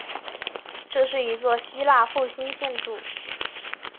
这是一座希腊复兴建筑。